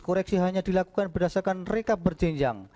koreksi hanya dilakukan berdasarkan rekap berjenjang